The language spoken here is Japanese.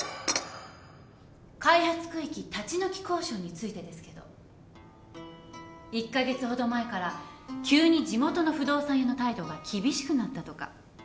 開発区域立ち退き交渉についてですけど１カ月ほど前から急に地元の不動産屋の態度が厳しくなったとか。